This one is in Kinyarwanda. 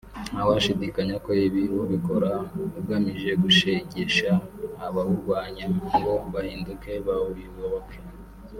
ntawashidikanya ko ibi ubikora ugamije gushegesha abawurwanya ngo bahinduke bawuyoboke